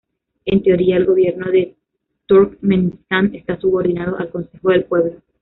En teoría, el Gobierno de Turkmenistán está subordinado al Consejo del Pueblo.